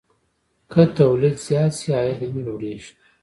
که تولید زیات شي، عاید هم لوړېږي.